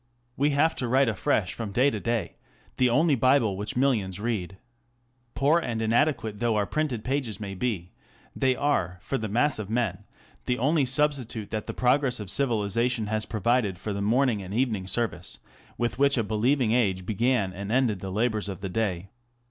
We have to write afresh from day to day the only Bible which millions read. Poor and inadequate though our printed pages may be, they are for the mass of men the only substitute that " the progress of civilization " has provided for the morning and evening service with which a believing age began and ended the labours of the day.